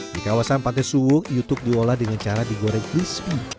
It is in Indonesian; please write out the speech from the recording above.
di kawasan pantai suwo youtube diolah dengan cara digoreng crispy